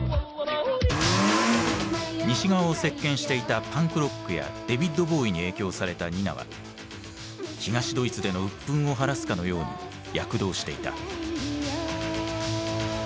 西側を席巻していたパンクロックやデヴィッド・ボウイに影響されたニナは東ドイツでの鬱憤を晴らすかのように躍動していた。